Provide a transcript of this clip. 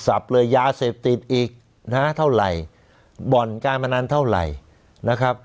สลับเรยาเสพติธรรมอีกนะเท่าไหร่บ่อนการบันดันเท่าไหร่นะครับ